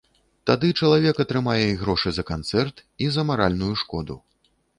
Тады чалавек атрымае і грошы за канцэрт, і за маральную шкоду.